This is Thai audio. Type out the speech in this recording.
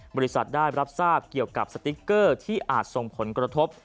บริษัทได้รับทราบเกี่ยวกับสติ๊กเกอร์ที่อาจส่งผลกระทบ